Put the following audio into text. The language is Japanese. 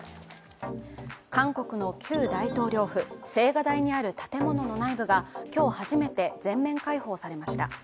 韓国の旧大統領府、青瓦台にある建物の内部が今日初めて全面開放されました。